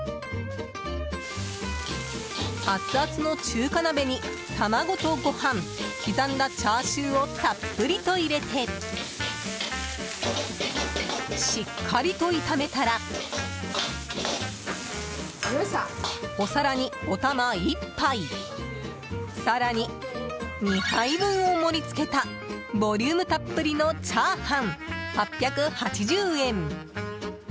アツアツの中華鍋に、卵とご飯刻んだチャーシューをたっぷりと入れてしっかりと炒めたらお皿に、お玉１杯更に２杯分を盛り付けたボリュームたっぷりのチャーハン、８８０円。